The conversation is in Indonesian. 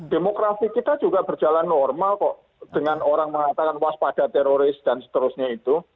demokrasi kita juga berjalan normal kok dengan orang mengatakan waspada teroris dan seterusnya itu